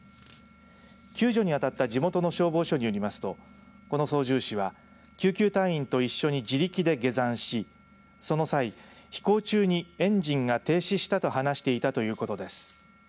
救助にあたった地元の消防署によりますとこの操縦士は救急隊員と一緒に自力で下山しその際、飛行中にエンジンが停止したと話していたということです。